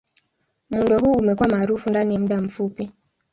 Muundo huu umekuwa maarufu ndani ya muda mfupi.